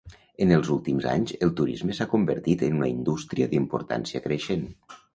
En els últims anys el turisme s'ha convertit en una indústria d'importància creixent.